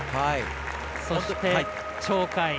そして鳥海。